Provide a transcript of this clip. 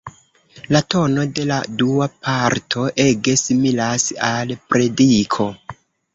La tono de la dua parto ege similas al prediko.